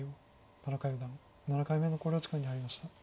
田中四段７回目の考慮時間に入りました。